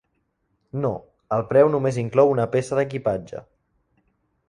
No, el preu només inclou una peça d'equipatge.